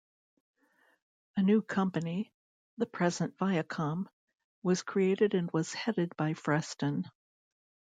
A new company, the present Viacom, was created and was headed by Freston.